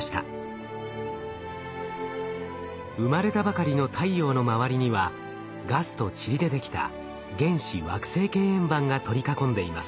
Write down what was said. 生まれたばかりの太陽の周りにはガスとちりで出来た原始惑星系円盤が取り囲んでいます。